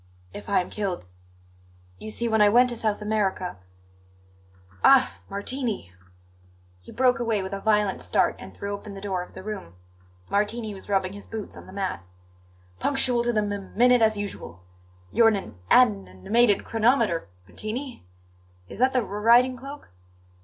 "If I am killed You see, when I went to South America Ah, Martini!" He broke away with a violent start and threw open the door of the room. Martini was rubbing his boots on the mat. "Punctual to the m m minute, as usual! You're an an n nimated chronometer, Martini. Is that the r r riding cloak?"